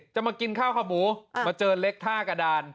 จะมากินข้าวข้าวหมูมาเจอเล็กท่ากระดาน